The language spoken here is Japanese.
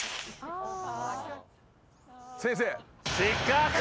先生。